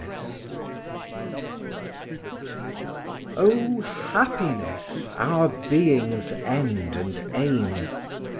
Oh, happiness, our being's end and aim!